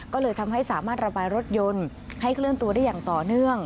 ก็เลยทำให้สามารถระบายรถยนต์ให้เคลื่อนตัวได้อย่างต่อเนื่อง